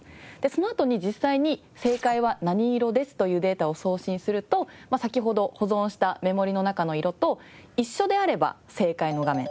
そのあとに実際に正解は何色ですというデータを送信すると先ほど保存したメモリーの中の色と一緒であれば正解の画面